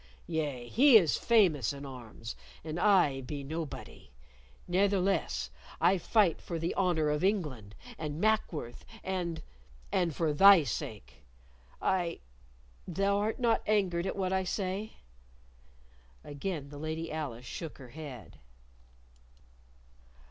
Yea, he is famous in arms, and I be nobody. Ne'theless, I fight for the honor of England and Mackworth and and for thy sake. I Thou art not angered at what I say?" Again the Lady Alice shook her head.